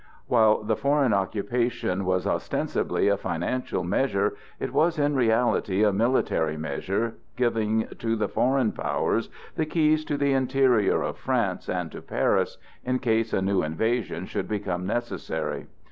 While the foreign occupation was ostensibly a financial measure, it was in reality a military measure giving to the foreign powers the keys to the interior of France and to Paris, in case a new invasion should become necessary.